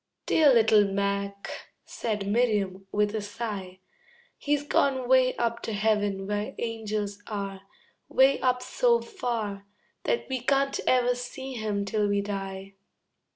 "Dear little Mac," said Miriam, with a sigh, "He's gone way up to heaven where angels are, Way up so far That we can't ever see him till we die."